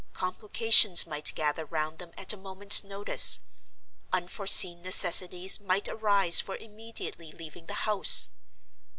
Complications might gather round them at a moment's notice; unforeseen necessities might arise for immediately leaving the house.